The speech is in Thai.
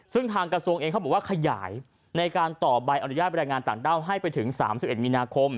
ซึ่งทางกระทรวงเองเขาบอกว่าขยายในการต่อใบอนุญาตแรงงานต่างด้าวให้ไปถึง๓๑มีนาคม